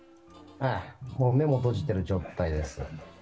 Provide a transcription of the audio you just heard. もう目も閉じてる状態です。